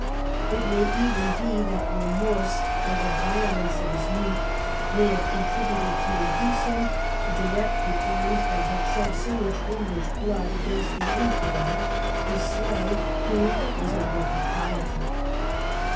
It may even be that remorse for the violence of his youth may have contributed to induce him to direct the arms that had shed so much English blood against the infidel, to slay whom was a work of piety.